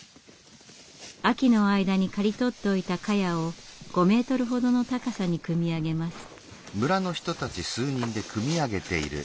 秋の間に刈り取っておいたかやを５ｍほどの高さに組み上げます。